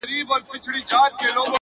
په ځان کي ننوتم «هو» ته چي سجده وکړه;